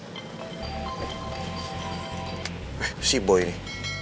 eh si boy ini